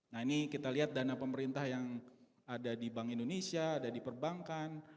nah ini kita lihat dana pemerintah yang ada di bank indonesia ada di perbankan